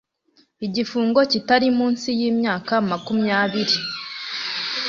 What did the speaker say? igifungo kitari munsi y imyaka makumyabiri